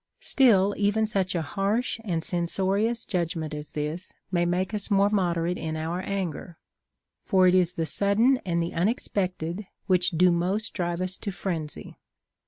Still even such a harsh and censorious judg ment as this may make us more moderate in our anger ; for it is the sudden and the unexpected which do most drive us to frenzy.